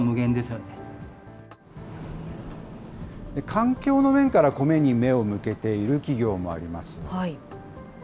環境の面からコメに目を向けている企業もあります。